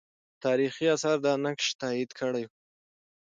تاریخي آثار دا نقش تایید کړی وو.